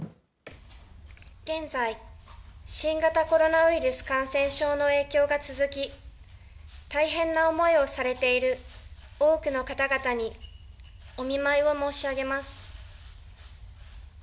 現在、新型コロナウイルス感染症の影響が続き、大変な思いをされている多くの方々にお見舞いを申し上げます。